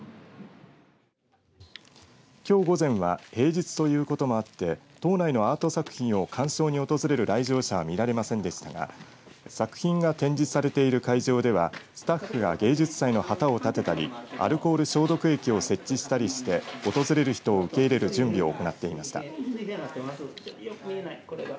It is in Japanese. きょう午前は平日ということもあって島内のアート作品を鑑賞に訪れる来場者は見られませんでしたが作品が展示されている会場ではスタッフが芸術祭の旗を立てたりアルコール消毒液を設置したりして訪れる人を受け入れる準備を行っていました。